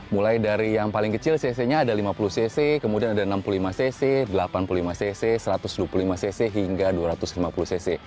mulai dari yang paling kecil cc nya ada lima puluh cc kemudian ada enam puluh lima cc delapan puluh lima cc satu ratus dua puluh lima cc hingga dua ratus lima puluh cc